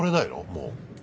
もう。